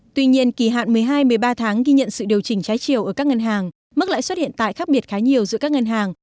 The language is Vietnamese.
tuy nhiên kỳ hạn một mươi hai một mươi ba tháng ghi nhận sự điều chỉnh trái chiều ở các ngân hàng mức lãi suất hiện tại khác biệt khá nhiều giữa các ngân hàng